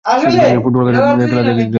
Football খেলতে গিয়ে হলো।